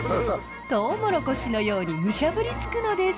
トウモロコシのようにむしゃぶりつくのです。